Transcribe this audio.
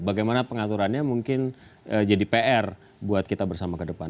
bagaimana pengaturannya mungkin jadi pr buat kita bersama ke depan